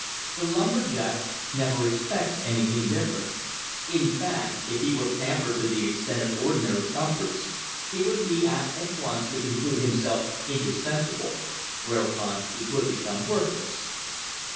The lumber jack never expects anything different. In fact, if he were pampered to the extent of ordinary comforts, he would be apt at once to conclude himself indispensable; whereupon he would become worthless.